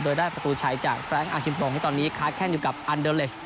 โดยได้ประตูชัยจากแร้งอาชิมปงที่ตอนนี้ค้าแข้งอยู่กับอันเดอร์เลส